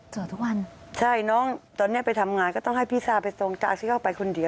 ทุกวันใช่น้องตอนเนี้ยไปทำงานก็ต้องให้พี่ซาไปส่งตาซิเข้าไปคนเดียว